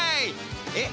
えっ？